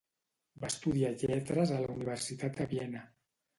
Va estudiar lletres a la Universitat de Viena.